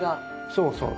そうそう。